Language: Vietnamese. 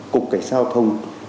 cục cảnh sát giao thông